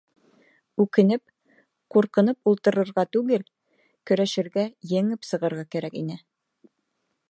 Үкенеп, ҡурҡынып ултырырға түгел, көрәшергә, еңеп сығырға кәрәк ине.